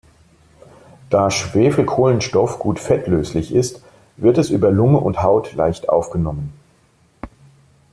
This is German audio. Da Schwefelkohlenstoff gut fettlöslich ist, wird es über Lunge und Haut leicht aufgenommen.